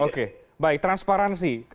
oke baik transparansi